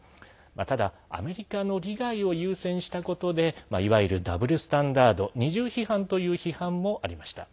ただ、アメリカの利害を優先したことでいわゆるダブルスタンダード＝二重基準という批判もありました。